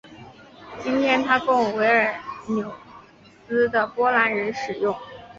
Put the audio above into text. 今天它供维尔纽斯的波兰人使用。